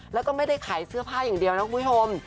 แล้วก็ไม่ได้ขายเสื้อผ้าอย่างเดียวนะคุณผู้ชม